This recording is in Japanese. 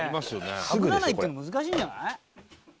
「かぶらないっていうの難しいんじゃない？」